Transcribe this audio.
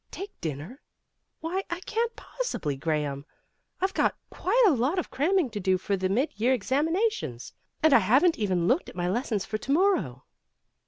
"Take dinner? Why, I can't possibly, Gra ham. I've got quite a lot of cramming to do for the mid year examinations. And I haven't even looked at my lessons for to morrow."